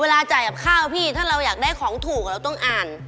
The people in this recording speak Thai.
จ่ายกับข้าวพี่ถ้าเราอยากได้ของถูกเราต้องอ่าน